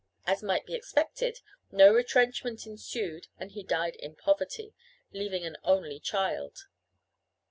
As might be expected, no retrenchment ensued, and he died in poverty, leaving an only child.